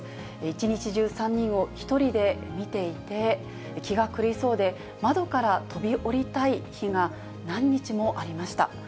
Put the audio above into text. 一日中、３人を１人で見ていて、気が狂いそうで、窓から飛び降りたい日が何日もありました。